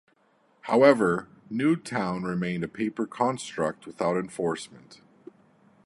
However, New Town remained a paper construct without enforcement.